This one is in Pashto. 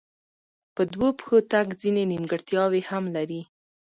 په دوو پښو تګ ځینې نیمګړتیاوې هم لري.